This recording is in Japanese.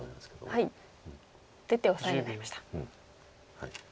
実戦は出てオサエになりました。